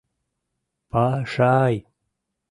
Па-шай!